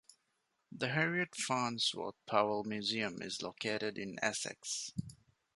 The Harriet Farnsworth Powell Museum is located in Essex.